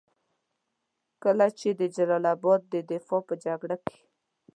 کله چې د جلال اباد د دفاع په جګړه کې.